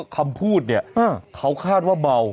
เขาคาดว่าเบา